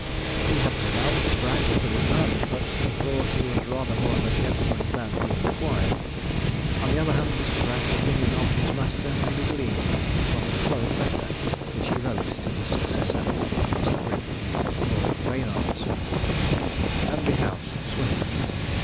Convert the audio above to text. He had no doubt that Bragg was a good man, but he thought he was rather more of a gentleman than he required. On the other hand, Mr. Bragg's opinion of his master may be gleaned from the following letter which he wrote to his successor, Mr. Brick, at Lord Reynard's: 'HANBY HOUSE, SWILLINGFORD.